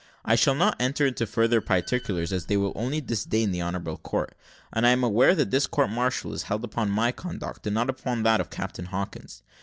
I shall not enter into further particulars, as they will only detain the honourable court; and I am aware that this court martial is held upon my conduct, and not upon that of Captain Hawkins.